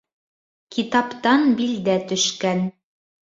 Китаптан билдә төшкән